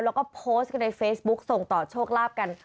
แล้วก็โพสต์กันในเฟซบุ๊กส่งต่อโชคลาภกัน